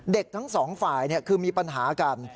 เด็กทั้งสองฝ่ายเนี่ยคือมีปัญหากัน